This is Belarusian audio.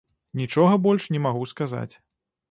Нічога больш не магу сказаць.